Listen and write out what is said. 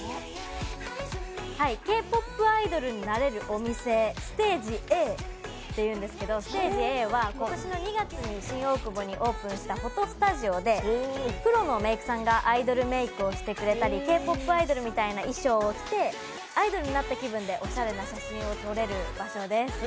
Ｋ−ＰＯＰアイドルになれるお店ｓｔａｇｅＡというんですけどｓｔａｇｅＡは今年の２月に新大久保にオープンしたフォトスタジオでプロのメークさんがアイドルメークをしてくれたり、Ｋ−ＰＯＰアイドルみたいな衣装を着てアイドルになった気分でお写真を撮れる場所です。